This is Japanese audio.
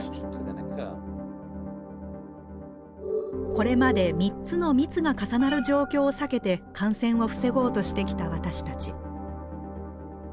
これまで３つの密が重なる状況を避けて感染を防ごうとしてきた私たち。